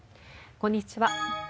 こんにちは。